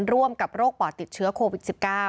ร่วมกับโรคปอดติดเชื้อโควิด๑๙